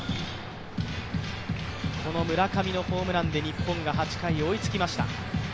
村上のホームランで日本が８回、追いつきました。